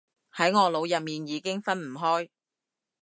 喺我腦入面已經分唔開